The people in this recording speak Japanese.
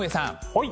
はい。